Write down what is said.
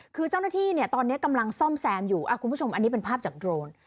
คือเจ้าหน้าที่เนี่ยตอนนี้กำลังซ่อมแซมอยู่คุณผู้ชมอันนี้เป็นภาพจากโดรน